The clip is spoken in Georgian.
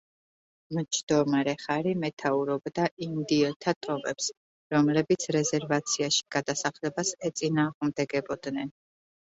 მჯდომარე ხარი მეთაურობდა ინდიელთა ტომებს, რომლებიც რეზერვაციაში გადასახლებას ეწინააღმდეგებოდნენ.